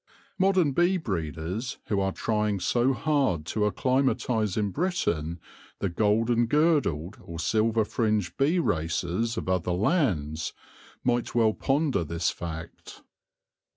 Modern bee breeders who are trying so hard to acclimatise in Britain the golden girdled or silver fringed bee races of other lands, might well ponder this fact.